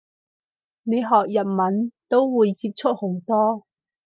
你學日文都會接觸好多